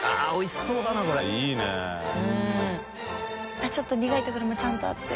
あっちょっと苦いところもちゃんとあって。